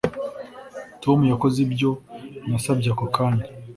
Tom yakoze ibyo nasabye ako kanya